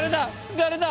誰だ？